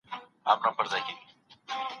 تم سه چي مسکا ته دي نغمې د بلبل واغوندم